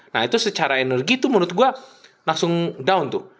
nah itu secara energi itu menurut gue langsung down tuh